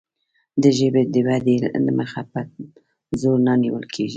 د ژبې د ودې مخه په زور نه نیول کیږي.